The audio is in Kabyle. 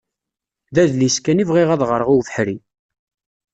D adlis kan i bɣiɣ ad ɣreɣ i ubeḥri.